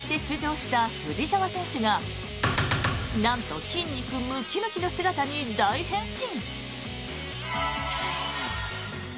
その日本代表の司令塔として出場した藤澤選手がなんと筋肉ムキムキの姿に大変身。